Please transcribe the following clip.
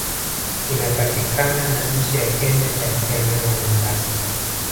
Inapatakana na nchi ya kenya katika eneo la mombasa